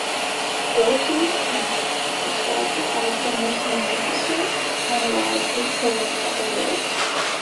Wilhelm Kempff described it as "the most magnificent monologue Beethoven ever wrote".